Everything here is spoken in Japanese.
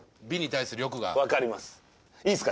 いいっすか？